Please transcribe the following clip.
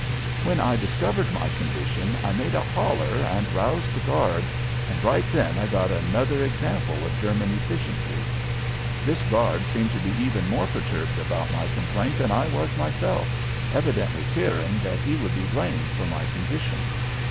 When I discovered my condition I made a holler and roused the guard, and right then I got another example of German efficiency. This guard seemed to be even more perturbed about my complaint than I was myself, evidently fearing that he would be blamed for my condition.